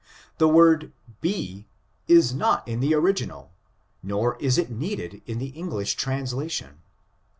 The word he is not in the original, nor is it needed in the English translation.